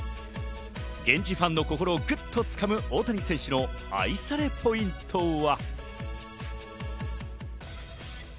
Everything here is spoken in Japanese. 現地ファンの心をグッとつかむ大谷選手の愛されたポイントは？